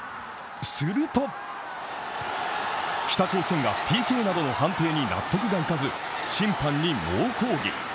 すると北朝鮮がＰＫなどの判定に納得がいかず、審判に猛抗議。